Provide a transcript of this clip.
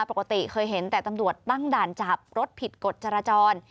ปกติเคยเห็นแต่ตำรวจตั้งด่านจับรถผิดกฎจราจร